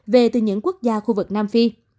về từ những quốc gia khu vực nam phi